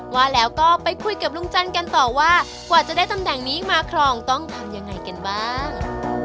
ว่าแล้วก็ไปคุยกับลุงจันทร์กันต่อว่ากว่าจะได้ตำแหน่งนี้มาครองต้องทำยังไงกันบ้าง